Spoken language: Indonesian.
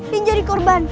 yang jadi korban